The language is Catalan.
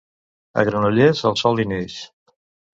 A Granollers, el sol hi neix.